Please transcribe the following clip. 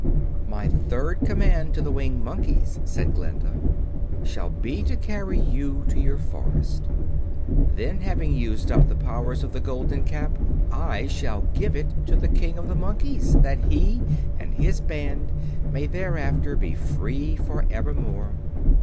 "My third command to the Winged Monkeys," said Glinda, "shall be to carry you to your forest. Then, having used up the powers of the Golden Cap, I shall give it to the King of the Monkeys, that he and his band may thereafter be free for evermore."